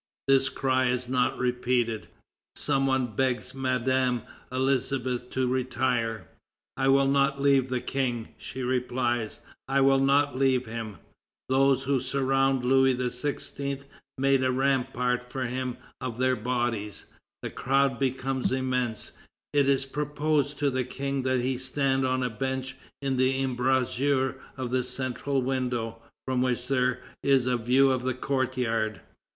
This cry is not repeated. Some one begs Madame Elisabeth to retire. "I will not leave the King," she replies, "I will not leave him." Those who surround Louis XVI. make a rampart for him of their bodies. The crowd becomes immense. It is proposed to the King that he stand on a bench in the embrasure of the central window, from which there is a view of the courtyard.